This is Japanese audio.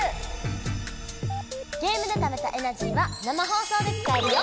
ゲームでためたエナジーは生放送で使えるよ！